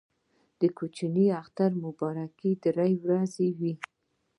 د کوچني اختر مبارکي درې ورځې وي.